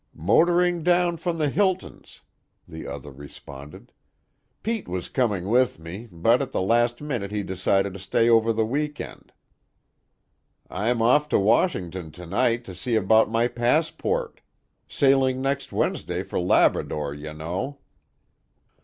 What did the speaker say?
"Motoring down from the Hilton's," the other responded. "Pete was coming with me, but at the last minute he decided to stay over the week end. I'm off to Washington to night to see about my passport; sailing next Wednesday for Labrador, you know."